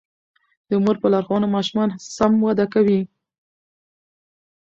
د مور په لارښوونه ماشومان سم وده کوي.